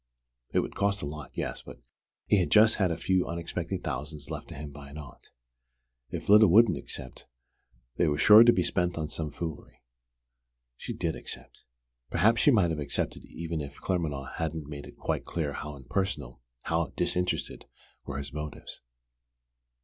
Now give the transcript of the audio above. It would cost a lot, yes, but he'd just had a few unexpected thousands left to him by an aunt. If Lyda wouldn't accept, they were sure to be spent on some foolery. She did accept. Perhaps she might have accepted even if Claremanagh hadn't made it quite clear how impersonal, how disinterested were his motives!